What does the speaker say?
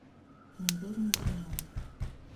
Мин бер ни тимәйем.